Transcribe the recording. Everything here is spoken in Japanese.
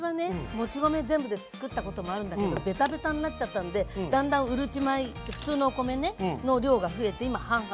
もち米全部で作ったこともあるんだけどベタベタになっちゃったんでだんだんうるち米普通のお米の量が増えて今半々。